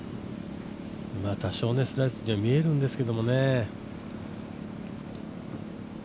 多少のスライスには見えるんですけどね。